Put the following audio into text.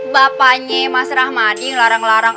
bapaknya mas rahmadi yang larang larang